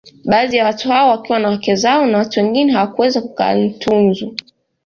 Baadhi ya watu hao wakiwa na wake zao na watu wengine hawakuweza kukaa Ntunzu